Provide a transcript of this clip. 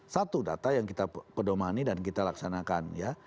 satu data yang kita pedomani dan kita laksanakan ya